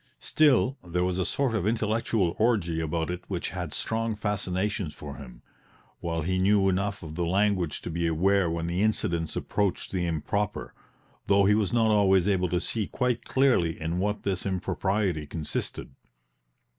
Still, there was a sort of intellectual orgie about it which had strong fascinations for him, while he knew enough of the language to be aware when the incidents approached the improper, though he was not always able to see quite clearly in what this impropriety consisted.